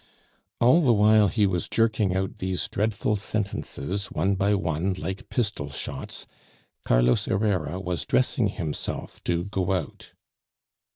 All the while he was jerking out these dreadful sentences, one by one, like pistol shots, Carlos Herrera was dressing himself to go out.